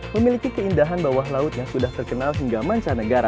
memiliki keindahan bawah laut yang sudah terkenal hingga mancanegara